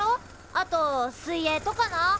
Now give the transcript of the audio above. あと水泳とかな。